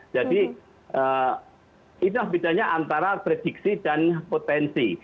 jadi itulah bedanya antara prediksi dan potensi